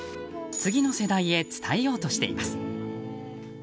次の世代へ伝えようとしています。